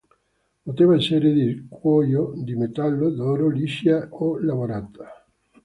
Poteva essere di cuoio, di metallo, d'oro, liscia o lavorata.